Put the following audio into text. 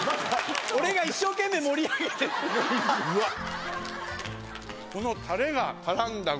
俺が一生懸命盛り上げてんのに。